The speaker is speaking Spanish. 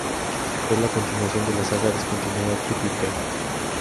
Es la continuación de la saga descontinuada Triple Play.